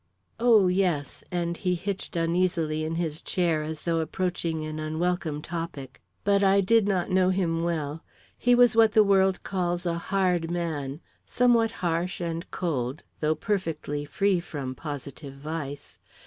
"Oh, yes," and he hitched uneasily in his chair, as though approaching an unwelcome topic. "But I did not know him well. He was what the world calls a hard man somewhat harsh and cold, though perfectly free from positive vice.